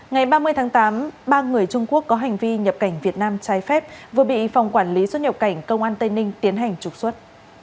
ngày ba mươi tháng tám ba người trung quốc có hành vi nhập cảnh việt nam trái phép vừa bị phòng quản lý xuất nhập cảnh công an tây ninh tiến hành trục xuất